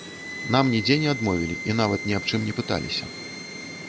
Нам нідзе не адмовілі і нават ні аб чым не пыталіся.